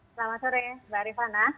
selamat sore mbak rifana